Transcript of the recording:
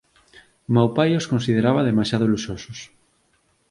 o meu pai os consideraba demasiado luxosos